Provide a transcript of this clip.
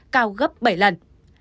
cao gấp bảy lần